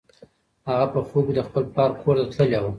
هغه په خوب کې د خپل پلار کور ته تللې وه.